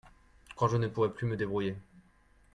Quand je ne pourrai plus me débrouiller.